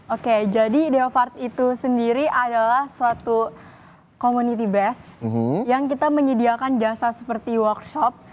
oke jadi geopard itu sendiri adalah suatu community best yang kita menyediakan jasa seperti workshop